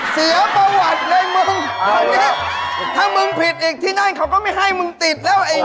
เสียประวัติเลยมึงตอนนี้ถ้ามึงผิดอีกที่นั่นเขาก็ไม่ให้มึงติดแล้วเอง